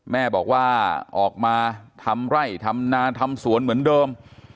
แม่บอกว่าออกมาทำไร่ทำนาทำสวนเหมือนเดิม